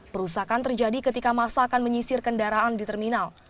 perusakan terjadi ketika masa akan menyisir kendaraan di terminal